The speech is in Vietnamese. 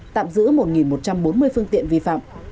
tạm giữ một một trăm bốn mươi phương tiện vi phạm